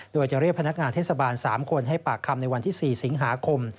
โดยจะเรียกพนักงานเทศบาล๓คนให้ปากคำในวันที่๔สิงหาคม